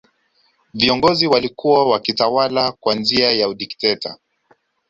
viongozi walikuwa wakitawala kwa njia ya udikteta